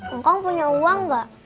engkau punya uang enggak